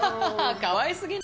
かわいすぎない？